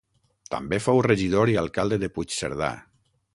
També fou regidor i alcalde de Puigcerdà.